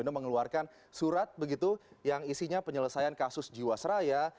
kalau bambang yudhoyono mengeluarkan surat begitu yang isinya penyelesaian kasus jiwasraya